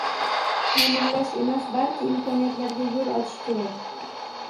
«Ta’minlash» emas, balki imkoniyatlarga yo'l ochish kerak.